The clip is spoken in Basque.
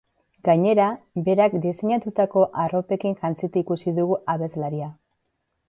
Gainera, berak diseinatutako arropekin jantzita ikusi dugu abeslaria.